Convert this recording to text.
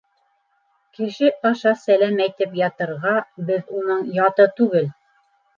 — Кеше аша сәләм әйтеп ятырға, беҙ уның яты түгел.